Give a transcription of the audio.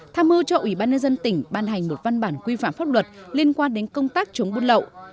tham mưu cho ủy ban nhân dân tỉnh ban hành một văn bản quy phạm pháp luật liên quan đến công tác chống buôn lậu